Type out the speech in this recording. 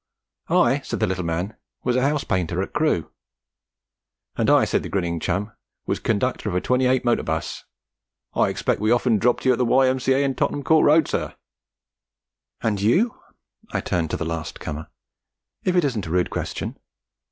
'I,' said the little man, 'was a house painter at Crewe.' 'And I,' said the grinning chum, 'was conductor of a 28 motor 'bus. I expect we've often dropped you at the Y.M.C.A. in Tottenham Court Road, sir.' 'And you?' I turned to the last comer 'if it isn't a rude question?'